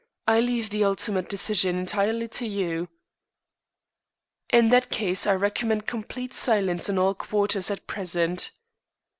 I leave the ultimate decision entirely to you." "In that case, I recommend complete silence in all quarters at present."